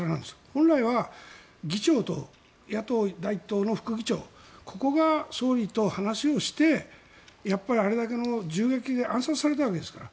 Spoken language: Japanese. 本来は議長と野党第１党の副議長ここが総理と話をしてあれだけの銃撃で暗殺されたわけですから。